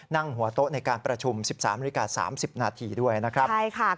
นั่งหัวโต๊ะในการประชุม๑๓๓๐นาทีด้วยนะครับ